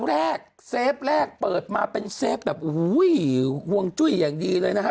แรกเซฟแรกเปิดมาเป็นเซฟแบบโอ้โหห่วงจุ้ยอย่างดีเลยนะฮะ